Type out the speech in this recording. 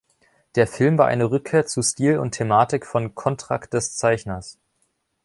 Der Film war eine Rückkehr zu Stil und Thematik von "Kontrakt des Zeichners".